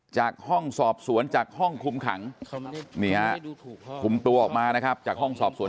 จากห้องสอบสวนจากห้องคุมขังนี่ฮะคุมตัวออกมานะครับจากห้องสอบสวน